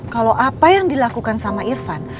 kalau apa yang dilakukan sama irfan